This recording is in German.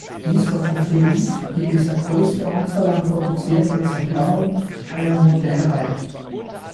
Dies war für Triumph die bisher größte Anzahl an produzierten Exemplaren bei einer Modellreihe.